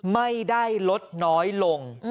ไม่ได้ลดน้อยลง